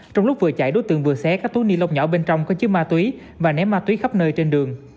trong lúc vừa chạy đối tượng vừa xé các túi ni lông nhỏ bên trong có chứa ma túy và ném ma túy khắp nơi trên đường